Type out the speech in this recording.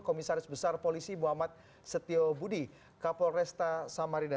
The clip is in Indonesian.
komisaris besar polisi muhammad setiobudi kapolresta samarinda